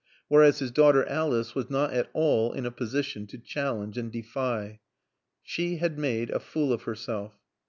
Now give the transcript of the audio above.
Whereas his daughter Alice was not at all in a position to challenge and defy. She had made a fool of herself.